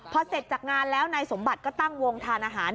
พอเสร็จจากงานแล้วนายสมบัติก็ตั้งวงทานอาหาร